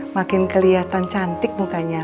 makin kelihatan cantik mukanya